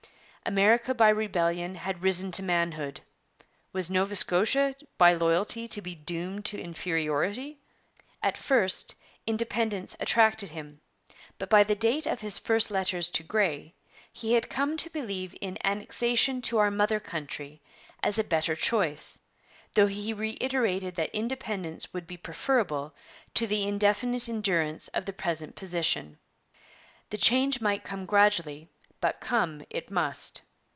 America by rebellion had risen to manhood; was Nova Scotia by loyalty to be doomed to inferiority? At first independence attracted him, but by the date of his letters to Grey he had come to believe in 'annexation to our mother country' as a better choice, though he reiterated that independence would be preferable to the indefinite endurance of the present position. The change might come gradually, but come it must.